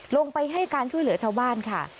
ลงไปให้การช่วยเหลือชาวบ้านค่ะ